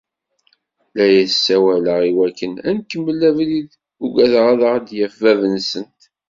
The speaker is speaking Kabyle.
La as-ssawaleɣ i wakken ad nkemmel abrid, ugadeɣ ad aɣ-d-yaf bab-nsent.